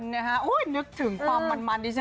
นะฮะนึกถึงความมันดิฉัน